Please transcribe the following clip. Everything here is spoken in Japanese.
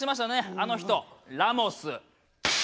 あの人ラモス。